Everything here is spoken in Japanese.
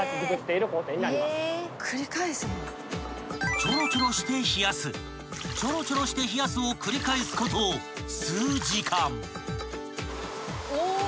［ちょろちょろして冷やすちょろちょろして冷やすを繰り返すこと数時間］